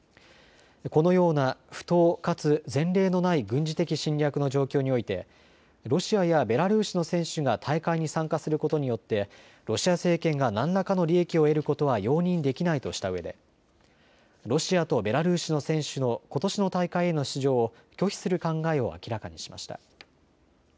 このような不当かつ前例のない軍事的侵略の状況においてロシアやベラルーシの選手が大会に参加することによってロシア政権が何らかの利益を得ることは容認できないとしたうえでロシアとベラルーシの選手のことしの大会への出場を拒否する考えを明らかにしました。